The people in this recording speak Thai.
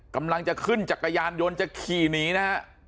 กำลังจะขึ้นจากก๋ยานหยนคี่หนีนะ